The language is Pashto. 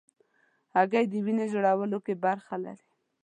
هګۍ د وینې جوړولو کې برخه لري.